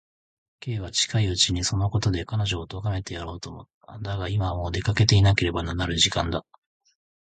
Ｋ は近いうちにそのことで彼女をとがめてやろうと思った。だが、今はもう出かけていかねばならぬ時間だった。